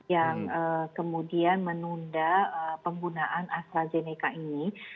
yang kemudian menunda penggunaan astrazeneca ini